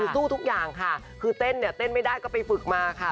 สู้ทุกอย่างค่ะคือเต้นเนี่ยเต้นไม่ได้ก็ไปฝึกมาค่ะ